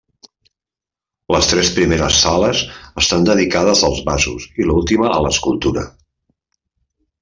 Les tres primeres sales estan dedicades als vasos i l'última a l'escultura.